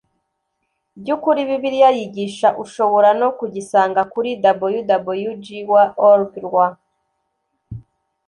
by ukuri Bibiliya yigisha Ushobora no kugisanga kuri www jw org rw